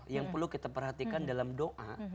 yang perlu kita perhatikan dalam doa